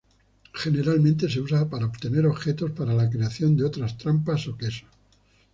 Generalmente se usa para obtener objetos para la creación de otras trampas o quesos.